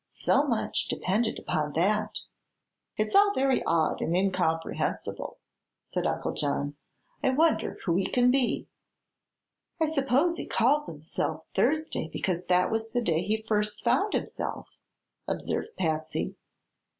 So much depended upon that." "It's all very odd and incomprehensible," said Uncle John. "I wonder who he can be." "I suppose he calls himself Thursday because that was the day he first found himself," observed Patsy.